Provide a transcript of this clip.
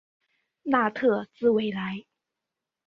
纳特兹维莱。